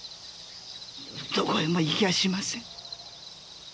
どこへも行きゃしません。